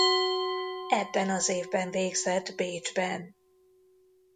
Ebben az évben végzett Bécsben.